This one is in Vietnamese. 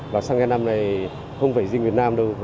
và xăng e năm này không phải riêng việt nam đâu